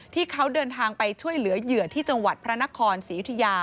ที่เขาเดินทางไปช่วยเหลือเหยื่อที่จังหวัดพระนครศรียุธยา